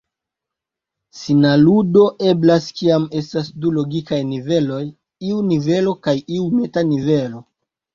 Sinaludo eblas kiam estas du logikaj niveloj, iu nivelo kaj iu meta-nivelo.